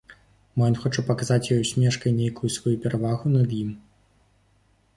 Мо ён хоча паказаць ёй, усмешкай, нейкую сваю перавагу над ім?